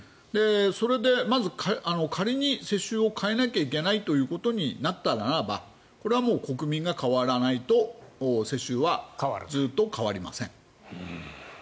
それで、仮に世襲を変えなきゃいけないということになったならばこれはもう国民が変わらないと世襲はずっと変わりません。